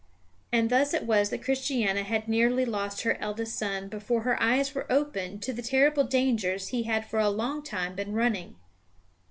And thus it was that Christiana had nearly lost her eldest son before her eyes were open to the terrible dangers he had for a long time been running.